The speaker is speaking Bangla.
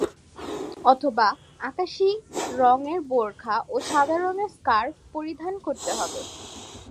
অথবা, আকাশী রং-এর বোরখা ও সাদা রং-এর স্কার্ফ পরিধান করতে হবে।